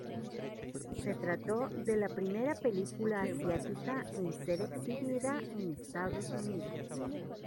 Se trató de la primera película asiática en ser exhibida en Estados Unidos.